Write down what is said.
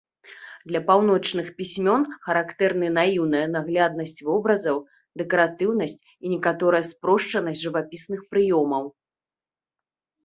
Для паўночных пісьмён характэрны наіўная нагляднасць вобразаў, дэкаратыўнасць і некаторая спрошчанасць жывапісных прыёмаў.